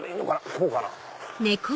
こうかな。